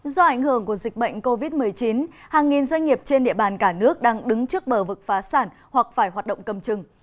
do ảnh hưởng của dịch bệnh covid một mươi chín hàng nghìn doanh nghiệp trên địa bàn cả nước đang đứng trước bờ vực phá sản hoặc phải hoạt động cầm chừng